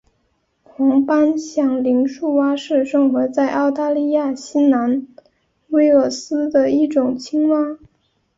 黄斑响铃树蛙是生活在澳大利亚新南威尔斯的一种青蛙。